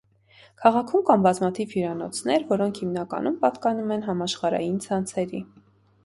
Քաղաքում կան բազմաթիվ հյուրանոցներ, որոնք հիմնականում պատկանում են համաշխարհային ցանցերի։